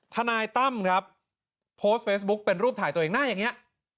ทนายตั้มครับโพสต์เฟซบุ๊คเป็นรูปถ่ายตัวเองหน้าอย่างนี้